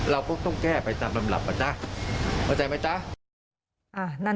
เราก็ต้องแก้ไปตามลำหลับมันนะ